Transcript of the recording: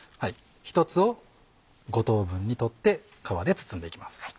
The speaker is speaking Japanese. １つを５等分に取って皮で包んで行きます。